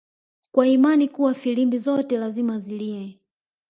kwa imani kuwa filimbi zote lazima zilie